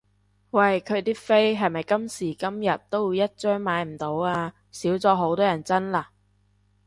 喂佢啲飛係咪今時今日都會一張買唔到啊？少咗好多人爭啦？